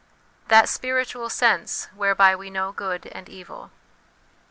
That Spiritual Sense whereby we know Good and Evil.